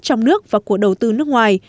trong nước và của đầu tư nước ngoài